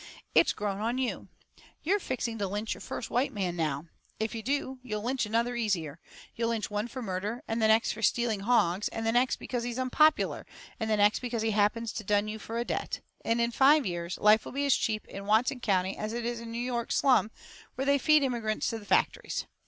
"It's grown on you. You're fixing to lynch your first white man now. If you do, you'll lynch another easier. You'll lynch one for murder and the next for stealing hogs and the next because he's unpopular and the next because he happens to dun you for a debt. And in five years life will be as cheap in Watson County as it is in a New York slum where they feed immigrants to the factories.